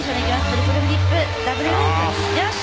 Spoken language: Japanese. トリプルフリップダブルループよし！